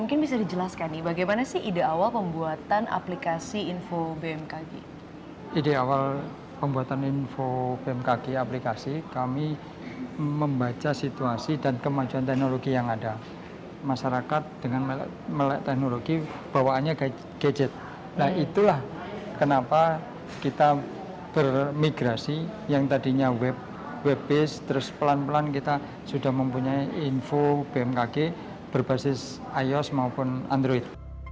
ini adalah aplikasi yang berpengalaman untuk memiliki informasi perangkat yang berbasis ios dan android